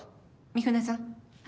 三船さん。